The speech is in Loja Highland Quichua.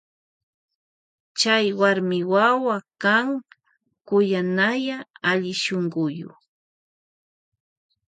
Chay warmi wawa kan kuyanay allishunkuyuk.